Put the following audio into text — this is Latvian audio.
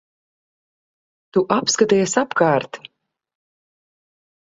Tu apskaties apkārt.